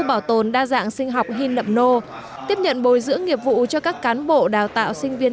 bảo tồn đa dạng sinh học hin nậm nô tiếp nhận bồi dưỡng nghiệp vụ cho các cán bộ đào tạo sinh viên